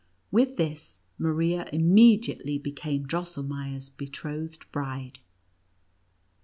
With this, Maria immediately became Drosselmeier's betrothed bride.